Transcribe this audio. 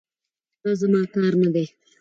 دا زما کار نه دی.